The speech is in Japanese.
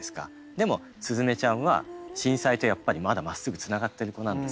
でも鈴芽ちゃんは震災とやっぱりまだまっすぐつながってる子なんですよ。